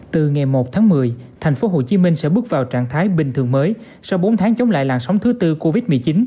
từ ngày một tháng một mươi thành phố hồ chí minh sẽ bước vào trạng thái bình thường mới sau bốn tháng chống lại làn sóng thứ tư covid một mươi chín